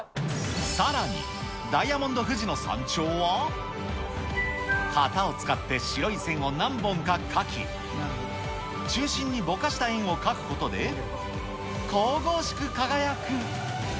さらにダイヤモンド富士の山頂は、型を使って白い線を何本か描き、中心にぼかした円を描くことで、神々しく輝く。